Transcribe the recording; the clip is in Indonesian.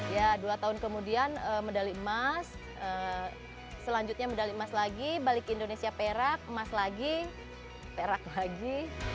ya dua tahun kemudian medali emas selanjutnya medali emas lagi balik indonesia perak emas lagi perak lagi